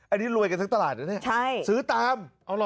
อันนี้รวยกันทั้งตลาดนะเนี่ยซื้อตาม